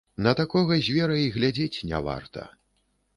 На такога звера і глядзець не варта.